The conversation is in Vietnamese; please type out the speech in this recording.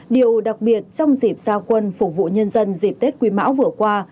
điều đặc biệt trong dịp giao quân phục vụ nhân dân dịp tết quý mão vừa qua